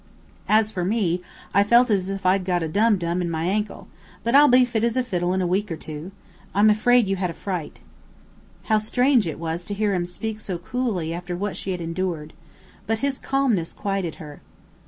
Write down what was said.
"As for me, I feel as if I'd got a dum dum in my ankle, but I'll be fit as a fiddle in a week or two. I'm afraid you had a fright." How strange it was to hear him speak so coolly after what she had endured! But his calmness quieted her.